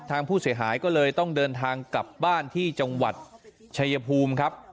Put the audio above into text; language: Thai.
ทางผู้เสียหายก็เลยต้องเดินทางกลับบ้านที่จังหวัดชายภูมิครับ